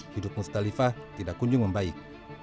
hidup mustalifah tidak kunjung membaik